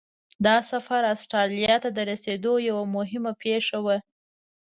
دا سفر استرالیا ته د رسېدو یوه مهمه پیښه وه.